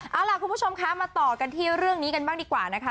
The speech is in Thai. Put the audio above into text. เอาล่ะคุณผู้ชมคะมาต่อกันที่เรื่องนี้กันบ้างดีกว่านะคะ